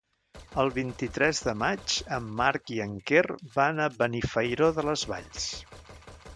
El vint-i-tres de maig en Marc i en Quer van a Benifairó de les Valls.